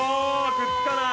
くっつかない。